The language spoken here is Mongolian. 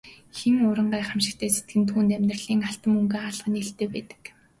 Хэн уран гайхамшигтай сэтгэнэ түүнд амьдралын алтан мөнгөн хаалга нээлттэй байдаг.